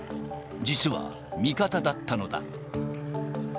実は、味方だったのだ。